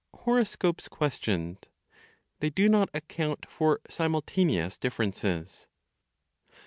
HOROSCOPES QUESTIONED; THEY DO NOT ACCOUNT FOR SIMULTANEOUS DIFFERENCES.